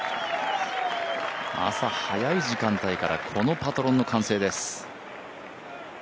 朝、早い時間帯から、このパトロンの歓声です。